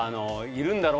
「いるんだろ？」